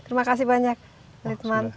terima kasih banyak litman